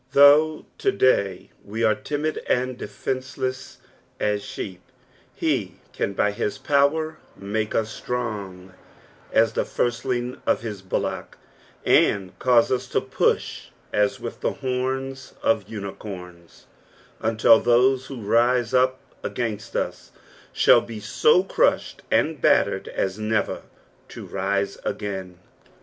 Though to day we are timid and defenceless aa sheep, he can by his power make us strong ss the Srstliug uf his ballock, and cause us to push as with the horns of unicorns, until those who rose up against UB shall be so crushed and battered ag never to rise acain.